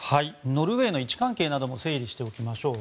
ノルウェーの位置関係なども整理しておきましょう。